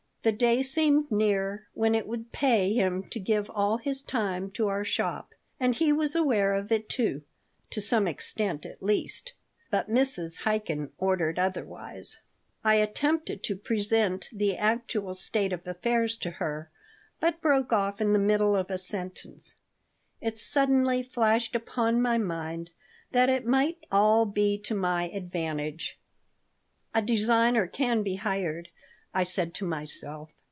The day seemed near when it would pay him to give all his time to our shop. And he was aware of it, too; to some extent, at least. But Mrs. Chaikin ordained otherwise I attempted to present the actual state of affairs to her, but broke off in the middle of a sentence. It suddenly flashed upon my mind that it might all be to my advantage. "A designer can be hired," I said to myself.